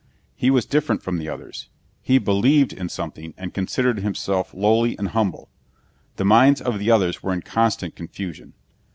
He was different from the others. He believed in something and considered himself lowly and humble. The minds of the others were in constant confusion.